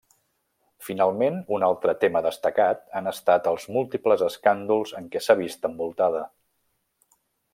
Finalment, un altre tema destacat han estat els múltiples escàndols en què s'ha vist envoltada.